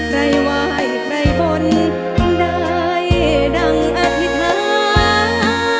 ใครไหว้ใครบนได้ดังอธิษฐาน